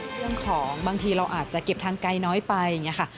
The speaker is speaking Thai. บางทีเราอาจจะเก็บทางไกลน้อยไปอย่างนี้ค่ะ